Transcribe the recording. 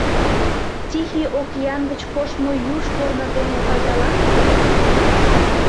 «Тихий океан гыч коштмо юж корно дене пайдаланыза.